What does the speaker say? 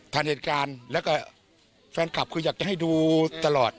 ผ่านเหตุการณ์แล้วก็แฟนคลับคืออยากจะให้ดูตลอด